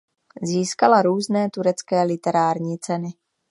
Získala různé turecké literární ceny.